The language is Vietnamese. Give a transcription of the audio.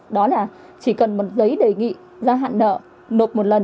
đó là chỉ cần một giấy đề nghị gia hạn nợ nộp một lần